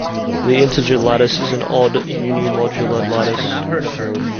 The integer lattice is an odd unimodular lattice.